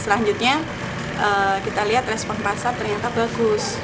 selanjutnya kita lihat respon pasar ternyata bagus